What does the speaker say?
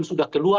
pkb sudah keluar